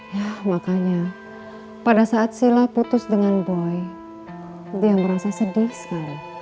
ya makanya pada saat sila putus dengan boy dia merasa sedih sekali